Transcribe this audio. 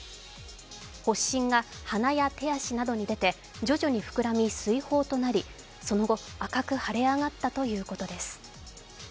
発疹が鼻や手足などに出て徐々に膨らみ水ほうとなりその後、赤く腫れ上がったということです。